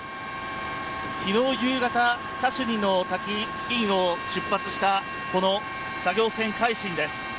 昨日夕方カシュニの滝付近を出発したこの作業船「海進」です。